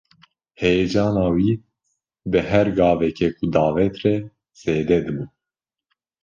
Heyecana wî bi her gaveke ku davêt re zêde dibû.